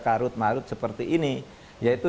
karut marut seperti ini yaitu